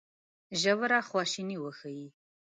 ژوره خواشیني وښيي.